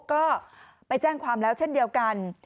ก็ไปแจ้งความแล้วเช่นเดียวกัน